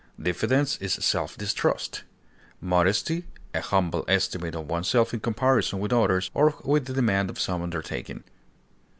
Diffidence is self distrust; modesty, a humble estimate of oneself in comparison with others, or with the demands of some undertaking.